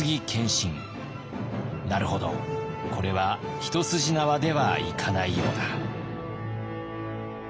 「なるほどこれは一筋縄ではいかないようだ」。